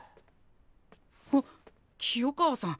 あっ清川さん。